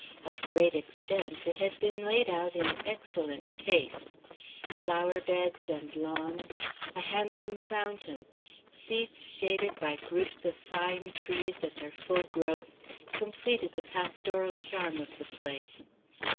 Of great extent, it had been laid out in excellent taste. Flower beds and lawns, a handsome fountain, seats shaded by groups of fine trees at their full growth, completed the pastoral charm of the place.